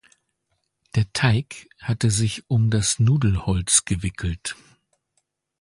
Der Teig hatte sich um das Nudelholz gewickelt.